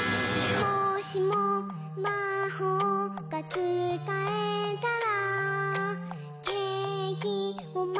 「もしもまほうがつかえたら」